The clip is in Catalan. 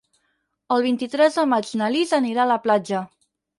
El vint-i-tres de maig na Lis anirà a la platja.